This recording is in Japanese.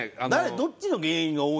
どっちの原因が多いの？